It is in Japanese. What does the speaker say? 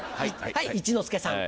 はい一之輔さん！